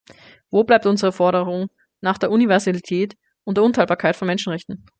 Wo bleibt unsere Forderung nach Universalität und Unteilbarkeit von Menschenrechten?